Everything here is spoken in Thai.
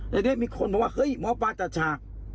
แต่ได้มีคนบอกว่าเฮ้ยหมอปลาจัดฉาก